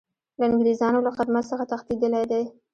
له انګریزانو له خدمت څخه تښتېدلی دی.